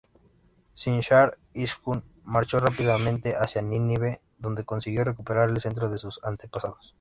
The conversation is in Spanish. Sin-shar-ishkun marchó rápidamente hacia Nínive, donde consiguió recuperar el cetro de sus antepasados.